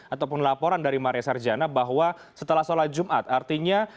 atau pun laporan dari maria sarjana bahwa setelah sholat jumat